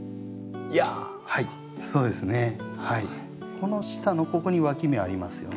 この下のここにわき芽ありますよね。